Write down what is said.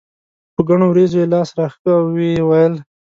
په ګڼو وريځو یې لاس راښکه او یې وویل.